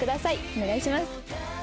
お願いします。